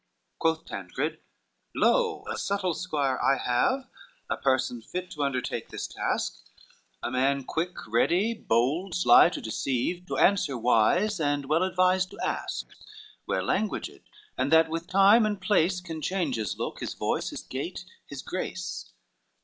Quoth Tancred, "Lo, a subtle squire I have, A person fit to undertake this task, A man quick, ready, bold, sly to deceive, To answer, wise, and well advised to ask; Well languaged, and that with time and place, Can change his look, his voice, his gait, his grace."